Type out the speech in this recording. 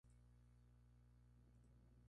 Reichenbach nació en Leipzig.